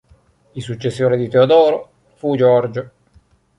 Il successore di Teodoro fu Giorgio.